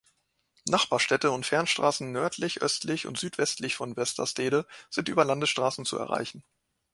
Nachbarstädte und Fernstraßen nördlich, östlich und südwestlich von Westerstede sind über Landesstraßen zu erreichen.